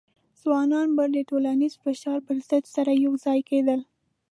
ځوانان به د ټولنیز فشار پر ضد سره یوځای کېدل.